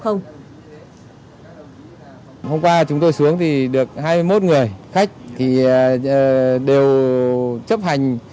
hôm qua chúng tôi xuống thì được hai mươi một người khách thì đều chấp hành